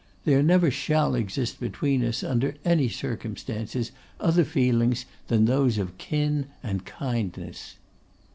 There never shall exist between us, under any circumstances, other feelings than those of kin and kindness.